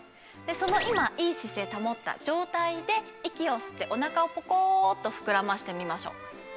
その今いい姿勢保った状態で息を吸ってお腹をぽこっと膨らませてみましょう。